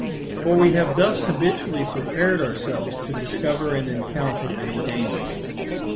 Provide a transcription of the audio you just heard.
For we have thus habitually prepared ourselves to discover and encounter any danger.